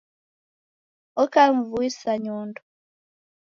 Oka mvui sa nyondo